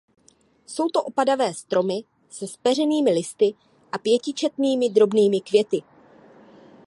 Jsou to opadavé stromy se zpeřenými listy a pětičetnými drobnými květy.